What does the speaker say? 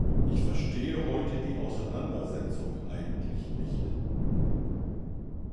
Ich verstehe heute die Auseinandersetzung eigentlich nicht.